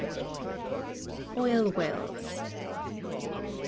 ] OIL WELLS.